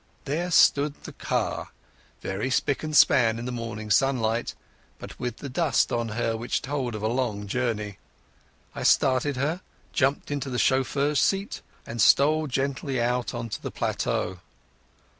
There stood the car, very spick and span in the morning sunlight, but with the dust on her which told of a long journey. I started her, jumped into the chauffeur's seat, and stole gently out on to the plateau.